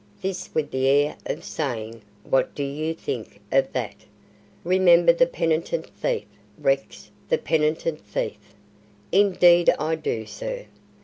(This with the air of saying, "What do you think of that!") "Remember the penitent thief, Rex the penitent thief." "Indeed I do, sir."